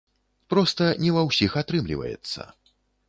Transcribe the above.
Проста не ва ўсіх атрымліваецца.